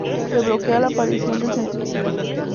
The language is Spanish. Se bloquea la aparición del sentimiento.